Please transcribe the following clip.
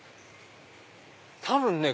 多分ね